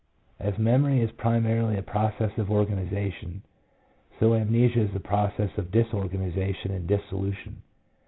As memory is primarily a process of organization, so amnesia is a process of disorganization and dis solution.